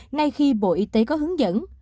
ngay khi bộ y tế có hướng dẫn